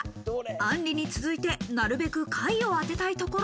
あんりに続いて、なるべく下位を当てたいところ。